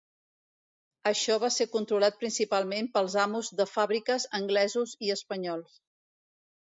Això va ser controlat principalment pels amos de fàbriques anglesos i espanyols.